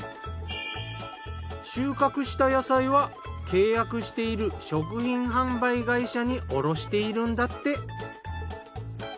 収穫した野菜は契約している食品販売会社に卸しているんだって。